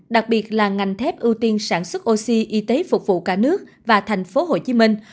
đặc biệt là ngành thép ưu tiên sản xuất oxy y tế phục vụ cả nước và thành phố hồ chí minh